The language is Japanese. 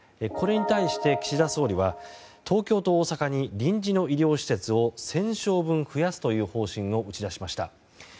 これに対して、岸田総理は東京と大阪に臨時の医療施設を１０００床分増やすと打ち出しました。